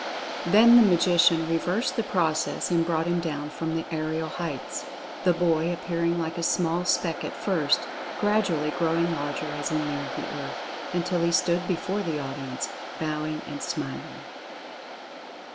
Then the Magician re versed the process and brought him down from the aerial heights, the boy appearing like a small speck at first, gradually growing larger as he neared the earth, until he stood before the audience, bowing and smil ing.